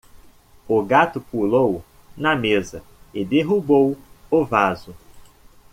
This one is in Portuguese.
O gato pulou na mesa e derrubou o vaso.